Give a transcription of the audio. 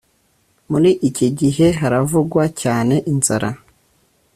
Muri iki gihe, haravugwa cyane inzara